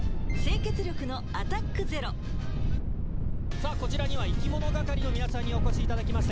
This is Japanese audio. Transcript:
さあ、こちらにはいきものがかりの皆さんにお越しいただきました。